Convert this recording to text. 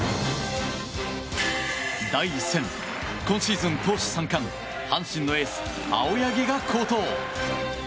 第１戦、今シーズン投手３冠阪神のエース、青柳が好投。